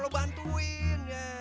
lu bantuin ya